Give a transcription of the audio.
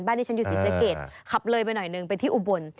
บ้านดิฉันอยู่ศิษยาเกียรติขับเลยไปหน่อยหนึ่งไปที่อุบวน